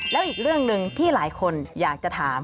แล้วอีกเรื่องหนึ่งที่หลายคนอยากจะถาม